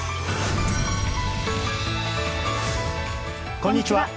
こんにちは。